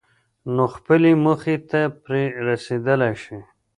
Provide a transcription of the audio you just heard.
نو خپلې موخې ته پرې رسېدلای شئ.